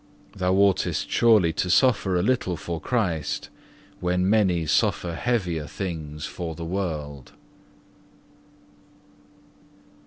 Thou oughtest surely to suffer a little for Christ when many suffer heavier things for the world.